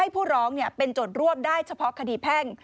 ผู้ร้องเป็นโจทย์ร่วมได้เฉพาะคดีแพ่ง